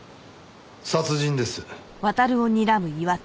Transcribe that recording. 殺人です。